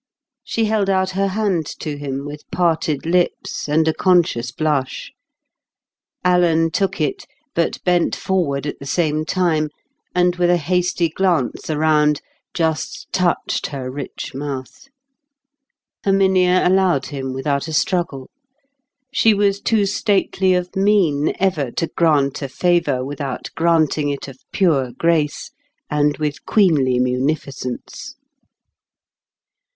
She held out her hand to him with parted lips and a conscious blush. Alan took it, but bent forward at the same time, and with a hasty glance around, just touched her rich mouth. Herminia allowed him without a struggle; she was too stately of mien ever to grant a favour without granting it of pure grace, and with queenly munificence.